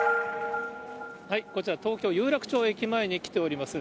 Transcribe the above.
こちら、東京・有楽町駅前に来ております。